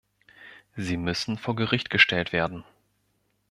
Sie müssen vor Gericht gestellt werden.